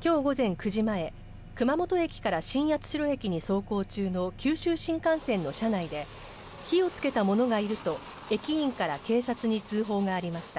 きょう午前９時前、熊本駅から新八代駅に走行中の九州新幹線の車内で、火をつけた者がいると駅員から警察に通報がありました。